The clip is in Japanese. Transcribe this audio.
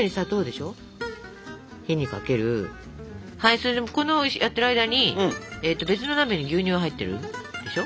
それでこれやってる間に別の鍋に牛乳が入ってるでしょ。